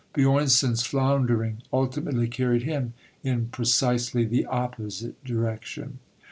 Björnson's floundering ultimately carried him in precisely the opposite direction.